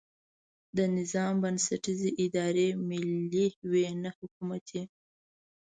د نظام بنسټیزې ادارې ملي وي نه حکومتي.